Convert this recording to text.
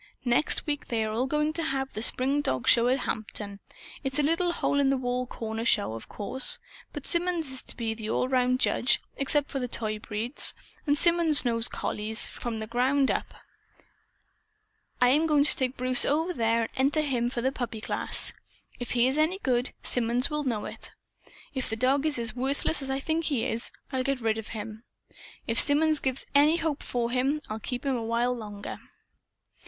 Next week they are going to have the spring dogshow at Hampton. It's a little hole in a corner show, of course. But Symonds is to be the all around judge, except for the toy breeds. And Symonds knows collies, from the ground up. I am going to take Bruce over there and enter him for the puppy class. If he is any good, Symonds will know it. If the dog is as worthless as I think he is, I'll get rid of him. If Symonds gives any hope for him, I'll keep him on a while longer."